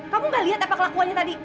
kamu gak lihat apa kelakuannya tadi